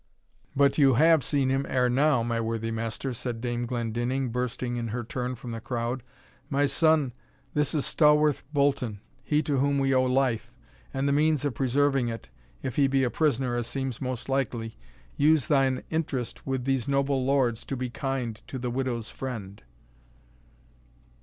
"But you have seen him ere now, my worthy master," said Dame Glendinning, bursting in her turn from the crowd. "My son, this is Stawarth Bolton, he to whom we owe life, and the means of preserving it if he be a prisoner, as seems most likely, use thine interest with these noble lords to be kind to the widow's friend."